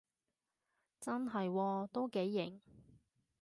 真係喎，都幾型